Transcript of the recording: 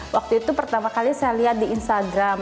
waktu itu pertama kali saya lihat di instagram